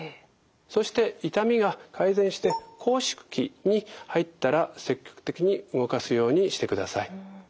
そして痛みが改善して拘縮期に入ったら積極的に動かすようにしてください。